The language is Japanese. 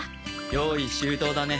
用意周到だね。